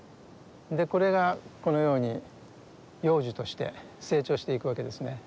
これがこのように幼樹として成長していくわけですね。